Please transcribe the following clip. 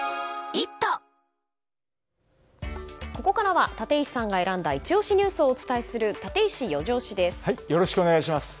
ここからは立石さんが選んだイチ推しニュースをお伝えするよろしくお願いします。